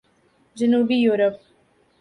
جنوبی یورپ